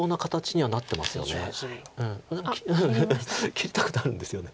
切りたくなるんですよね。